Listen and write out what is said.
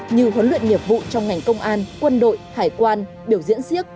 như huấn luyện nghiệp vụ trong ngành công an quân đội hải quan biểu diễn siếc